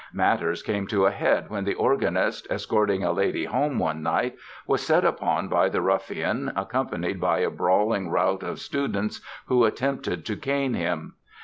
Matters came to a head when the organist, escorting a lady home one night, was set upon by the ruffian accompanied by a brawling rout of students who attempted to cane him.